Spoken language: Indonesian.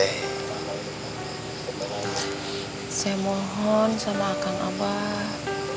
tau pak tuh saya lanjutin ya akan abah